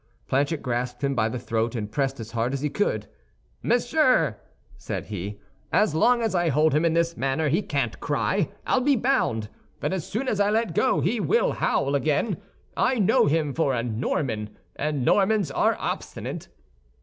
Planchet grasped him by the throat, and pressed as hard as he could. "Monsieur," said he, "as long as I hold him in this manner, he can't cry, I'll be bound; but as soon as I let go he will howl again. I know him for a Norman, and Normans are obstinate."